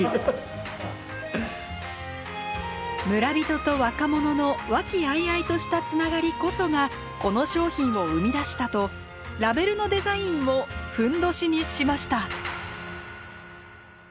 村人と若者の和気あいあいとしたつながりこそがこの商品を生み出したとラベルのデザインもふんどしにしました。